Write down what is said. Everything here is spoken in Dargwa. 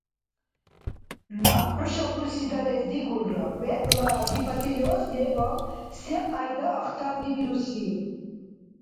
Наб хӀуша бурсидарес дигулра вегӀла гипотиреоз лебал секьяйда ахтардибирусил.